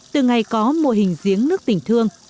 từ ngày có mô hình giếng nước tỉnh thương